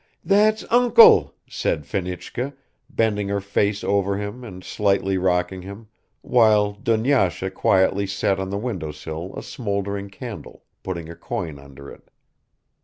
"That's uncle," said Fenichka, bending her face over him and slightly rocking him, while Dunyasha quietly set on the window sill a smoldering candle, putting a coin under it.